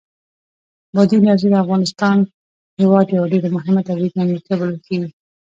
بادي انرژي د افغانستان هېواد یوه ډېره مهمه طبیعي ځانګړتیا بلل کېږي.